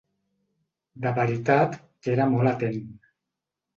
De veritat que era molt atent.